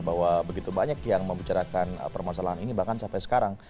bahwa begitu banyak yang membicarakan permasalahan ini bahkan sampai sekarang